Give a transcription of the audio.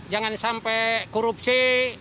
jangan sampai korupsi